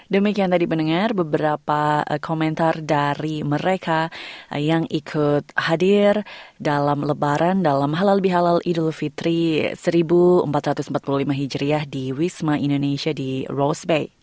demikian tadi mendengar beberapa komentar dari mereka yang ikut hadir dalam lebaran dalam halal bihalal idul fitri seribu empat ratus empat puluh lima hijriah di wisma indonesia di roasbe